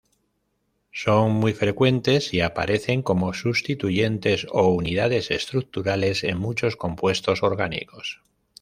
Son muy frecuentes y aparecen como sustituyentes o unidades estructurales en muchos compuestos orgánicos.